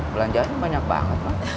belanjaan banyak banget